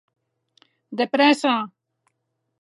De prèssa!